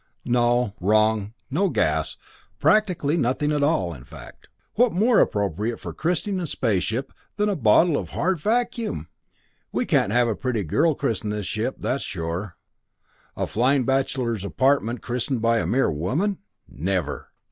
"Wrong no gas practically nothing at all, in fact. What more appropriate for christening a space ship than a bottle of hard vacuum? "We can't have a pretty girl christen this ship, that's sure. A flying bachelor's apartment christened by a mere woman? Never!